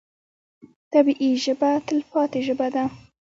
طبیعي ژبه تلپاتې ژبه ده.